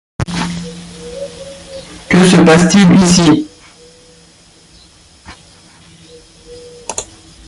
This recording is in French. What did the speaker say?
Que se passe-t-il ici ?